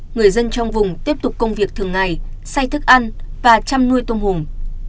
người dân trong vùng tiếp tục công việc thường ngày xay thức ăn và chăm nuôi tôm hùng